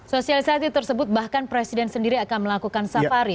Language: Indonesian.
sosialisasi tersebut bahkan presiden sendiri akan melakukan safari